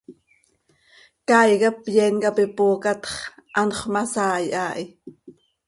Caay cap yeen cap ipocaat x, anxö ma saai haa hi.